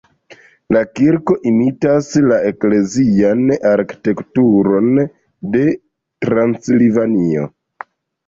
La kirko imitas la eklezian arkitekturon de Transilvanio.